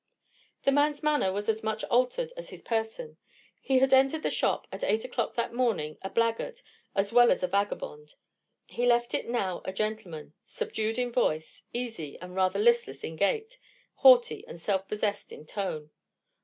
The man's manner was as much altered as his person. He had entered the shop at eight o'clock that morning a blackguard as well as a vagabond. He left it now a gentleman; subdued in voice, easy and rather listless in gait, haughty and self possessed in tone.